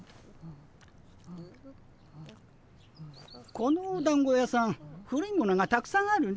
このおだんご屋さん古いものがたくさんあるね。